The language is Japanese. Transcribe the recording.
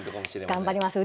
頑張ります。